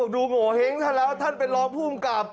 ดูโหเห้งท่านแล้วท่านเป็นร้องผู้กลับ